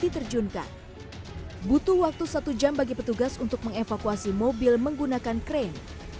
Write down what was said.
diterjunkan butuh waktu satu jam bagi petugas untuk mengevakuasi mobil menggunakan krain